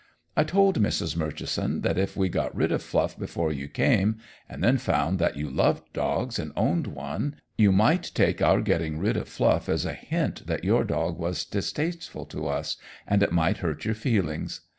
I told Mrs. Murchison that if we got rid of Fluff before you came, and then found that you loved dogs and owned one, you might take our getting rid of Fluff as a hint that your dog was distasteful to us, and it might hurt your feelings.